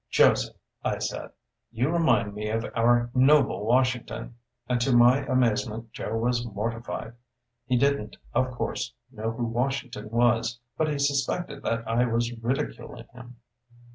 "Joseph," I said, "you remind me of our noble Washington"; and, to my amazement, Joe was mortified. He didn't, of course, know who Washington was, but he suspected that I was ridiculing him.